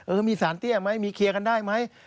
มีสารเตี้ยไหมมีเคลียร์กันได้ไหม